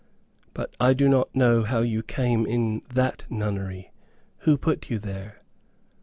But I do not know how you came in that nunnery. Who put you there?"